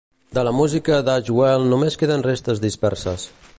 De la música d'Ashwell només queden restes disperses.